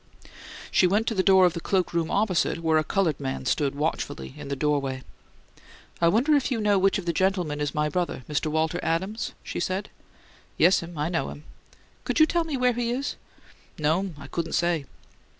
She went to the door of the cloak room opposite, where a coloured man stood watchfully in the doorway. "I wonder if you know which of the gentlemen is my brother, Mr. Walter Adams," she said. "Yes'm; I know him." "Could you tell me where he is?" "No'm; I couldn't say."